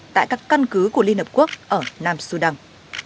tại các căn cứ của liên hợp quốc ở nam su đăng